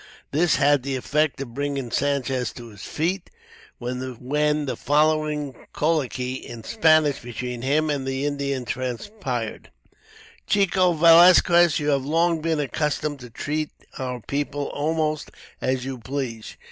This had the effect of bringing Sanchez to his feet, when the following colloquy, in Spanish, between him and the Indian transpired: "Chico Velasques, you have long been accustomed to treat our people almost as you please.